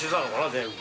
全部。